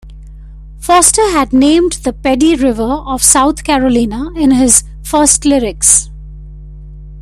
Foster had named the Pedee River of South Carolina in his first lyrics.